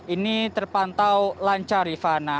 ini terpantau lancar rifana